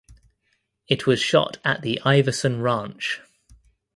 It was shot at the Iverson Ranch.